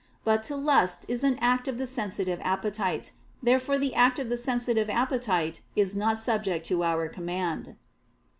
But to lust is an act of the sensitive appetite. Therefore the act of the sensitive appetite is not subject to our command.